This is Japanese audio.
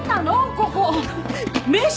ここ名所？